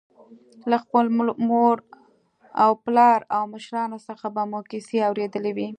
له خپل مور او پلار او مشرانو څخه به مو کیسې اورېدلې وي.